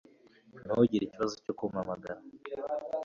Ntugire ikibazo cyo kumpamagara